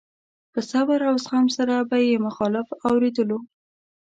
په صبر او زغم سره به يې مخالف اورېدلو.